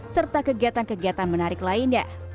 serta kegiatan kegiatan menarik lainnya